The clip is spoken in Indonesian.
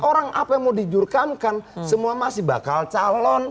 orang apa yang mau dijurkamkan semua masih bakal calon